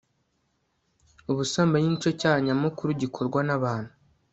ubusambanyi nicyo cyaha nyamukuru gikorwa nabantu